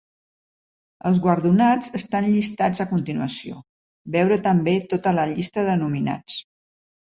Els guardonats estan llistats a continuació, veure també tota la llista de nominats.